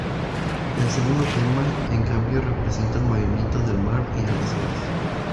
El segundo tema, en cambio, representa el movimiento del mar y de las olas.